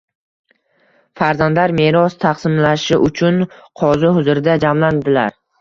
Farzandlar meros taqsimlanishi uchun qozi huzurida jamlandilar.